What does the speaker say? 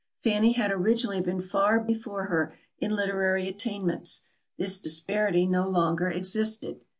Fanny had originally been far before her in literary attainments; this disparity no longer existed.